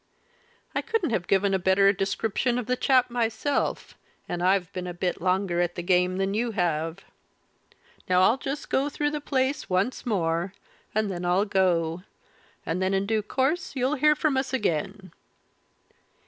I couldn't have given a better description of a chap myself and I've been a bit longer at the game than you have. Now I'll just go through the place once more, and then I'll go; and then in due course you'll hear from us again."